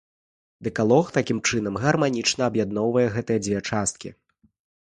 Дэкалог такім чынам гарманічна аб'ядноўвае гэтыя дзве часткі.